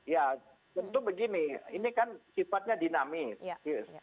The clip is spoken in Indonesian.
ya tentu begini ini kan sifatnya dinamis